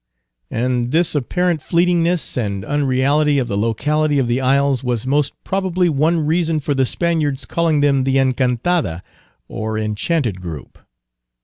And this apparent fleetingness and unreality of the locality of the isles was most probably one reason for the Spaniards calling them the Encantada, or Enchanted Group.